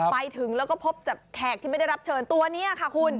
ไปถึงแล้วก็พบจากแขกที่ไม่ได้รับเชิญตัวนี้ค่ะคุณ